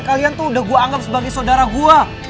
kalian tuh udah gue anggap sebagai saudara gue